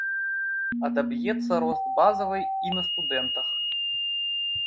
Адаб'ецца рост базавай і на студэнтах.